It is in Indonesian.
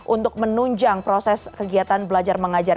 untuk menunjang proses kegiatan belajar mengajar